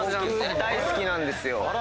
僕大好きなんですよ。